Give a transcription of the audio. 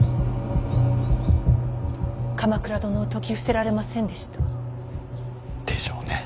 鎌倉殿を説き伏せられませんでした。でしょうね。